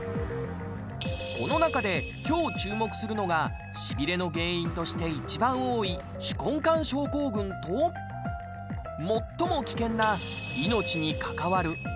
この中で今日注目するのがしびれの原因として一番多い「手根管症候群」と最も危険な命に関わる「脳卒中」。